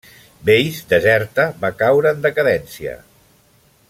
Veïs, deserta, va caure en decadència.